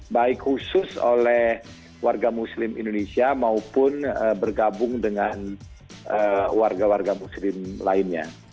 baik khusus oleh warga muslim indonesia maupun bergabung dengan warga warga muslim lainnya